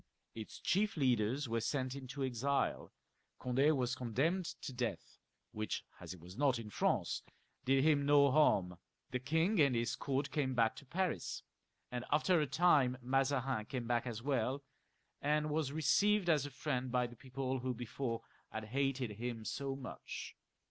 Its chief leaders were sent into exile ; Cond^ was condemned XLlii.] LOUIS XIV. 335 to death, which, as he was not in France, did him no harm ; the king and his court came back to Paris ; and, after a time, Mazarin came back as well, and was received as a friend by the people who before had hated him so much.